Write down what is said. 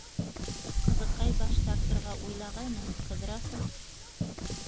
Ҡыҙыҡай баш тартырға уйлағайны, Ҡыҙрасов: